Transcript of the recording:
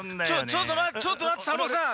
ちょっとまってちょっとまってサボさん。